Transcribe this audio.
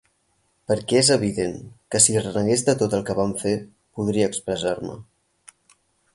Perquè és evident que si renegués de tot el que vam fer, podria expressar-me.